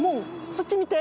そっち見て！